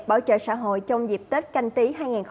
bảo trợ xã hội trong dịp tết canh tí hai nghìn hai mươi